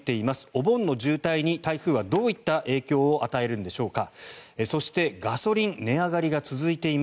お盆の渋滞に台風はどういった影響を与えるんでしょうか。